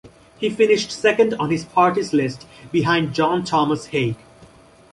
He finished second on his party's list, behind John Thomas Haig.